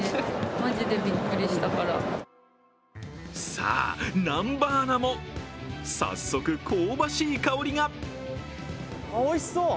さあ、南波アナも早速、香ばしい香りがおいしそう！